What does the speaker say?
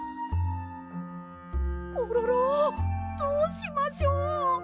コロロどうしましょう。